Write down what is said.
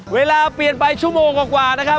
เวลาเปลี่ยนไปชั่วโมงกว่านะครับ